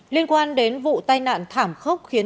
liên quan đến vụ tai nạn thảm khốc khiến nhiều người đều không biết